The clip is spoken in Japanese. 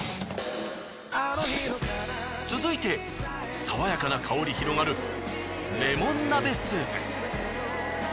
続いて爽やかな香り広がるレモン鍋スープ。